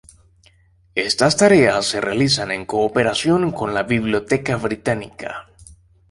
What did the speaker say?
Estas tareas se realizan en cooperación con la Biblioteca Británica.